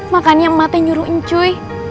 makannya emak teh nyuruh encuy